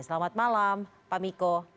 selamat malam pak miko